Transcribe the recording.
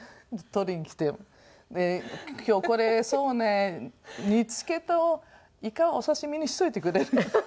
取りに来て「今日これそうね煮付けとイカはお刺し身にしておいてくれる？」。